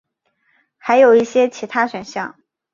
还有一些其他选项。